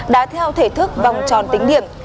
đã theo thể thức vòng tròn tính điểm